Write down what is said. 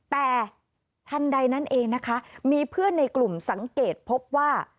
แต่ทันใดนั้นเองนะคะมีเพื่อนในกลุ่มสังเกตพบว่า